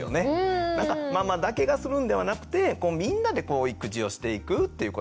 ママだけがするんではなくてみんなで育児をしていくということ。